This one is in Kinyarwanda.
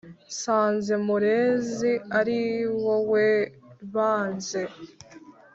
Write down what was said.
Nsanze Murezi ari wowe bâanzê